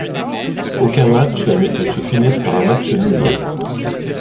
Aucun match ne peut se finir par un match nul.